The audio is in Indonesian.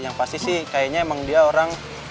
yang pasti sih kayaknya emang dia orang